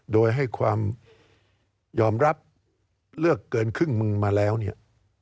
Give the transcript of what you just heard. โดยให้ความยอมรับเลือกเกินครึ่งมึงมาแล้วเนี่ย